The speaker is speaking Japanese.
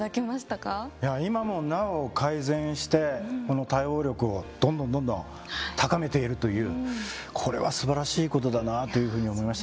いや今もなお改善してこの対応力をどんどんどんどん高めているというこれはすばらしいことだなというふうに思いましたね。